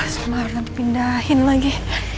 semarang dipindahkan lagi